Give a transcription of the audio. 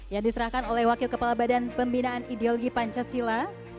yang diserahkan oleh wakil kepala badan pembinaan ideologi pancasila